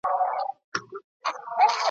نور پردی ورڅخه وس له ژونده موړ دی `